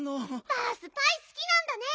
バースパイすきなんだね。